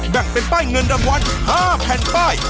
แบ่งเป็นป้ายเงินรางวัล๕แผ่นป้าย